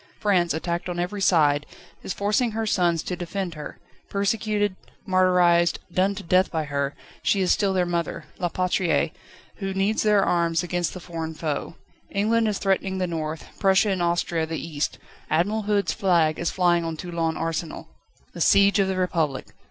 France, attacked on every side, is forcing her sons to defend her: persecuted, martyrised, done to death by her, she is still their Mother: La Patrie, who needs their arms against the foreign foe. England is threatening the north, Prussia and Austria the east. Admiral Hood's flag is flying on Toulon Arsenal. The siege of the Republic!